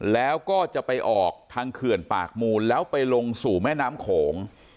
แล้วก็จะไปออกทางเขื่อนปากมูลแล้วไปลงสู่แม่น้ำโขง